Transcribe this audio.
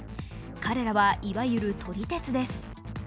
彼らはいわゆる、撮り鉄です。